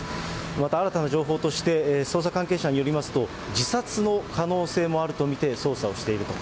また、新たな情報として、捜査関係者によりますと、自殺の可能性もあると見て捜査をしていると。